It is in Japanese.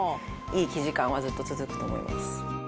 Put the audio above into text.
いい生地感はずっと続くと思います。